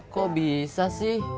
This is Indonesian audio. kok bisa sih